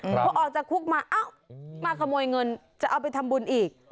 พอออกจากคุกมาเอ้ามาขโมยเงินจะเอาไปทำบุญอีก